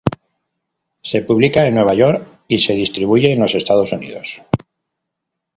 Se publica en Nueva York y se distribuye en los Estados Unidos.